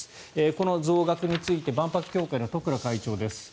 この増額について万博協会の十倉会長です。